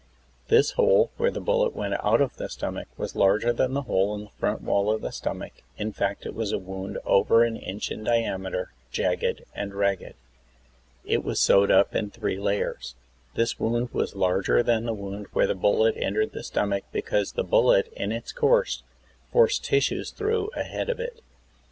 This hole, where the bullet went out of the stomach, was larger than the hole in the front wall of the stomach ; in fact, it was a wound over an inch in diameter, jagged and ragged. It was sewed up in three layers. This wound was larger than the wound where the bullet entered the stomach, because the bullet, in its course, forced tissues through ahead of it.